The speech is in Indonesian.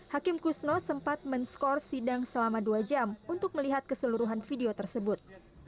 hakim kusno sempat men score sidang selama dua jam untuk melihat keseluruhan video tersebut